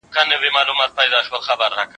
زه اوس شګه پاکوم؟!